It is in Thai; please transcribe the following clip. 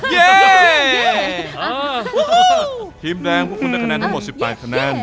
เย๋ยทีมแดงพวกคุณด้านคะแนนทั้งหมดสิบหลายคะแนน